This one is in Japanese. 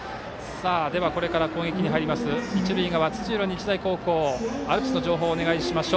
ではこれから攻撃に入る一塁側、土浦日大高校アルプスの情報をお願いします。